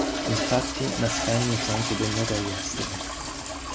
Infatti Mascagni fu anche ben noto all'estero.